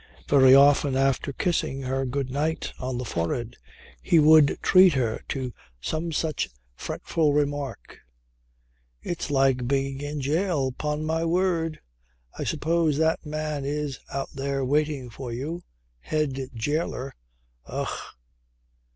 Very often after kissing her good night on the forehead he would treat her to some such fretful remark: "It's like being in jail 'pon my word. I suppose that man is out there waiting for you. Head jailer! Ough!"